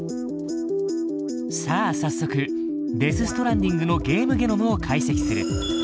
さあ早速「デス・ストランディング」のゲームゲノムを解析する。